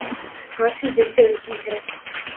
خاصی بہتر رہی ہے۔